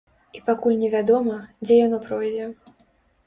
І пакуль не вядома, дзе яно пройдзе.